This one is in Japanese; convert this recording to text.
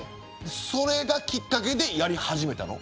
それがきっかけでやり始めたの。